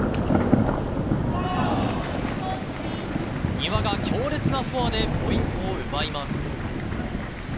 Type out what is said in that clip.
丹羽が強烈なフォアでポイントを奪います。